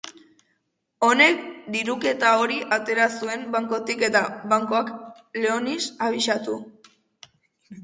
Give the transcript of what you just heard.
Honek diruketa hori atera zuen bankotik eta bankoak Leonis abisatu.